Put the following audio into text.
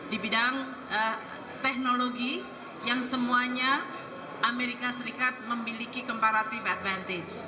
di bidang teknologi yang semuanya amerika serikat memiliki comparative advantage